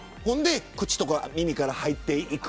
口とか耳から入っていく。